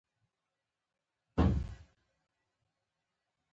هغوی د نازک څپو لاندې د مینې ژورې خبرې وکړې.